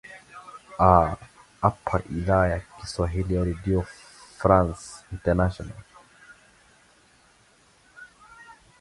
aa hapa idhaa ya kiswahili ya redio france international